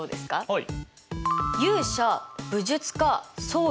はい。